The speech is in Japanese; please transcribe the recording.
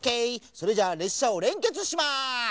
それじゃあれっしゃをれんけつします！